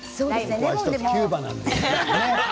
キューバなんで。